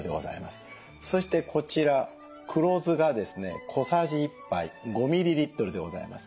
そしてこちら黒酢がですね小さじ１杯５ｍｌでございます。